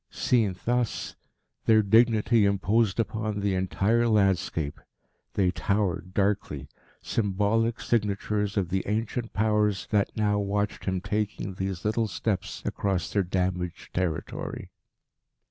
Seen thus, their dignity imposed upon the entire landscape. They towered darkly, symbolic signatures of the ancient Powers that now watched him taking these little steps across their damaged territory.